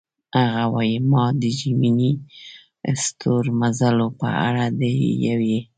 هغه وايي: "ما د جیمیني ستورمزلو په اړه د یوې.